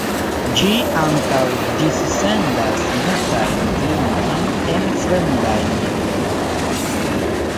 Ĝi ankaŭ dissendas multajn filmojn en fremdaj lingvoj.